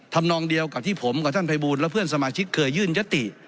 นองเดียวกับที่ผมกับท่านภัยบูลและเพื่อนสมาชิกเคยยื่นยติ